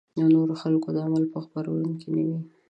د نورو خلکو د عمل په غبرګون کې نه وي.